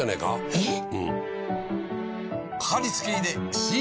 えっ！